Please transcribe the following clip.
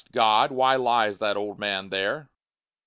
Just God! why lies that old man there?